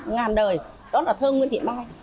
ngàn đời đó là thơ nguyễn thị mai